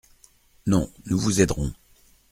Non ! nous vous aiderons.